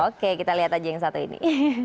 oke kita lihat aja yang satu ini